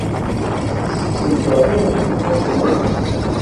Tettettemt ṛṛuz deg tmurt-nwent?